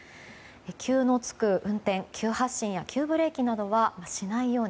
急のつく運転急発進や急ブレーキはしないように。